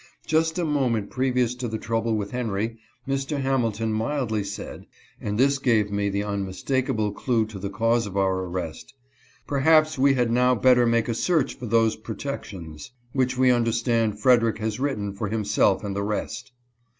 Just a moment previous to the trouble with Henry, Mr. Hamilton mildly said, — and this gave me the unmistakable clue to the cause of our arrest, —" Perhaps we had now better make a search for those protections, which we understand Frederick has written for himself and the rest."